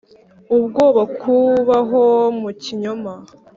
Ubwoba kubaho mu kinyoma